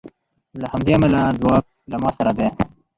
له همدې امله ځواک له ما سره دی